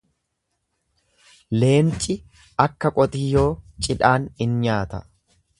Leenci akka qotiyyoo cidhaan in nyaata.